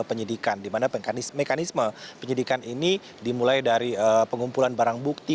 penyidikan dimana mekanisme penyidikan ini dimulai dari pengumpulan barang bukti